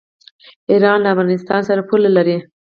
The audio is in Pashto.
ایران له ارمنستان سره پوله لري.